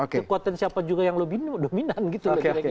kekuatan siapa juga yang lebih dominan gitu